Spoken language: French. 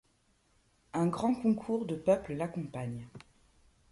Un grand concours de peuple l’accompagne.